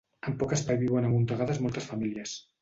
En poc espai viuen amuntegades moltes famílies.